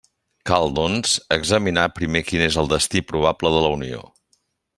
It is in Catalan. Cal, doncs, examinar primer quin és el destí probable de la Unió.